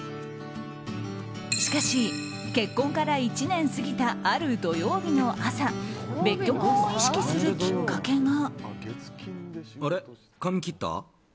しかし、結婚から１年過ぎたある土曜日の朝別居婚を意識するきっかけが。